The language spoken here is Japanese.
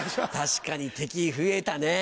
確かに敵増えたねぇ。